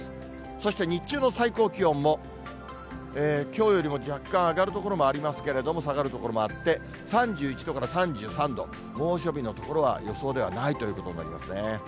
そして日中の最高気温もきょうよりも若干上がる所もありますけれども、下がる所もあって、３１度から３３度、猛暑日の所は予想ではないということになりますね。